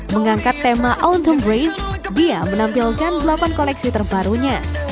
mengangkat tema autumn brace dia menampilkan delapan koleksi terbarunya